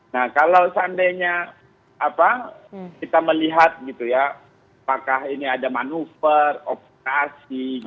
nah kalau seandainya kita melihat gitu ya apakah ini ada manuver operasi